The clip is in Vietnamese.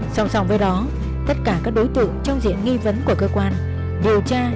sòng sòng với đó tất cả các đối tượng trong diện nghi vấn của cơ quan điều tra